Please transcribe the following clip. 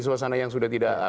suasana yang sudah tidak